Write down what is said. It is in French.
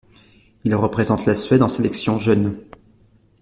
Il représente la Suède en sélection jeune.